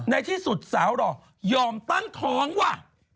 ในที่สุดสาวหล่อยอมตั้งท้องว่ะ